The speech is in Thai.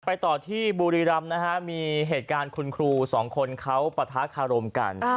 ต่อที่บุรีรำนะฮะมีเหตุการณ์คุณครูสองคนเขาปะทะคารมกัน